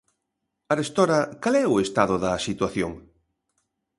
Arestora ¿cal é o estado da situación?